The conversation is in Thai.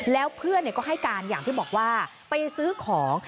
แล้วเพื่อนก็ให้การอย่างที่บอกว่าไปซื้อของ